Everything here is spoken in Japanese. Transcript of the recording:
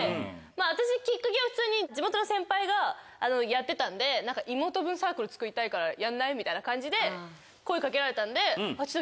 私きっかけは普通に地元の先輩がやってたんで妹分サークル作りたいからやんない？みたいな感じで声掛けられたんで。